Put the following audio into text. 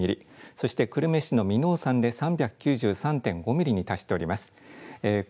そして久留米市の耳納山で３９３．５ミリに達しております。